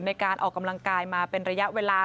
ในการออกกำลังกายมาเป็นระยะเวลา